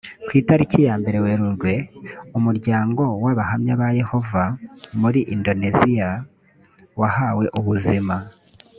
ku itariki yambere werurwe umuryango w abahamya ba yehova muri indoneziya wahawe ubuzima